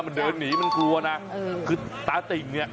มันเดินหนีมันกลัวนะคือตาติ่งเนี่ย